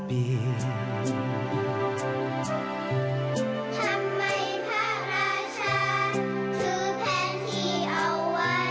ธรรมาย